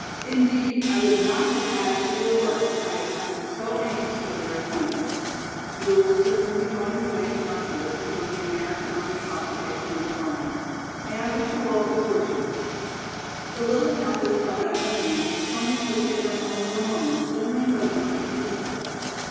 Indeed, I would not have added to your work if I had not been so anxious for their acquaintance. You will soon be going away from Luxemburg to join the American Army of Occupation on the Rhine. May I wish you all good fortune?" The little countess held out her hand and Sonya took it in her own for a moment and then leaned over and kissed her.